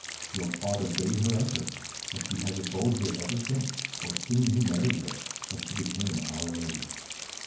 Your father bade her enter, and she has abode here ever since; for soon he married her, and she became our lady."